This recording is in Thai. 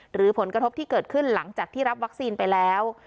หรือผลกระทบที่เกิดขึ้นหลังจากที่รับวัคซีนไปแล้ว